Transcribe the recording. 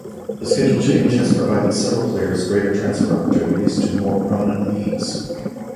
The schedule change has provided several players greater transfer opportunities to more prominent leagues.